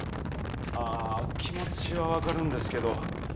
ああ気持ちは分かるんですけど